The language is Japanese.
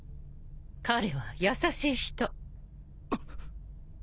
彼は優しい人。